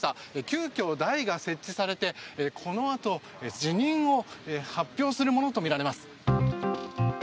急きょ、台が設置されてこのあと辞任を発表するものとみられます。